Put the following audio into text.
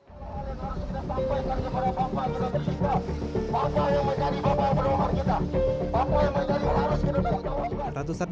bapak yang harus kita pampaikan kepada bapak yang kita berhubungan bapak yang menjadi bapak yang berumur kita bapak yang menjadi bapak yang harus kita berhubungan